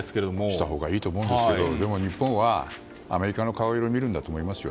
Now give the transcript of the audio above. したほうがいいと思うんですけどでも、日本はアメリカの顔色を見るんだと思いますよ。